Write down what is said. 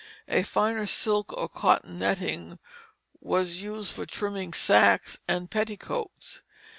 A finer silk or cotton netting was used for trimming sacks and petticoats.